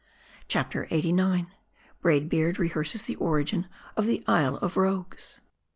CHAPTER LXXXIX BRAID BEARD REHEARSES THE ORIGIN OF THE ISLE OF ROGUES.